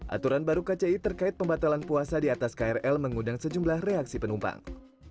aturan baru kci terkait pembatalan puasa di atas krl mengundang sejumlah reaksi penumpang